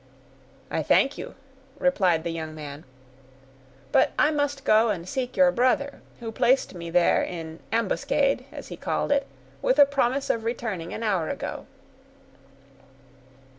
"I thank you," replied the young man, "but I must go and seek your brother, who placed me there in ambuscade, as he called it, with a promise of returning an hour ago."